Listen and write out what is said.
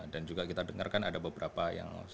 dan juga kita dengar kan ada beberapa yang sampaikan pltu